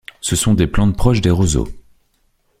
Ce sont des plantes proches des roseaux.